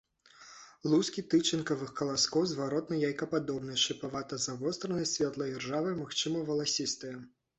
Лускі тычынкавых каласкоў зваротна-яйкападобныя, шыпавата-завостраныя, светла-іржавыя, магчыма валасістыя.